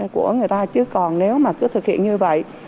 của người ta chứ còn nếu mà cứ thực hiện như vậy